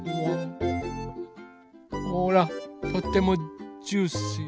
ほらとってもジューシー。